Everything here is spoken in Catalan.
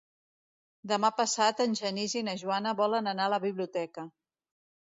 Demà passat en Genís i na Joana volen anar a la biblioteca.